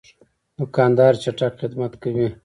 دوکاندار چټک خدمت کوي.